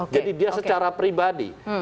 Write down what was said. jadi dia secara pribadi